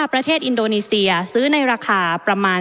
ที่ประเทศอื่นซื้อในราคาประเทศอื่น